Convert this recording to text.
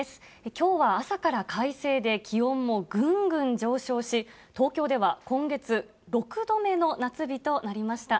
きょうは朝から快晴で、気温もぐんぐん上昇し、東京では今月、６度目の夏日となりました。